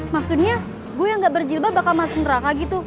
maksudnya gue yang gak berjilbab bakal masuk neraka